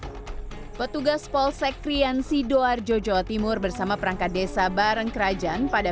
hai petugas polsek krian sidoarjo jawa timur bersama perangkat desa bareng kerajaan pada